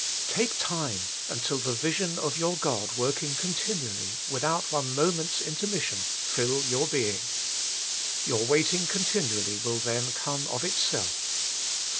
Take time until the vision of your God working continually, without one moment's intermission, fill your being. Your waiting continually will then come of itself.